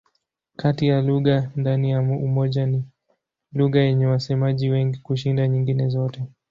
Kati ya lugha ndani ya Umoja ni lugha yenye wasemaji wengi kushinda nyingine zote.